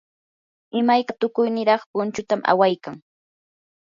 imayka tukuy niraq punchutam awaykan.